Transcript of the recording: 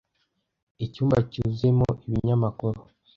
Icyumba cyuzuyemo ibinyamakuru.